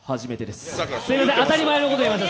すみません、当たり前のこと言いました。